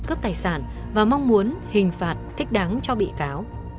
cướp tài sản và mong muốn hình phạt thích đáng cho bị cáo